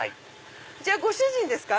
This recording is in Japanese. じゃあご主人ですか？